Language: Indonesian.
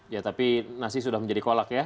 ya tapi nasi sudah menjadi kolak ya